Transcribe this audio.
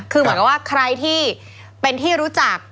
คือหมายถึงว่าใครที่เป็นที่รู้จัก